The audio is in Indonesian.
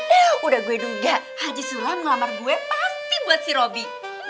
yaudah gue duga haji sulam ngelamar gue pasti buat si robi